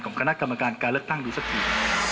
คณะกรรมการการเลือกตั้งดูสักที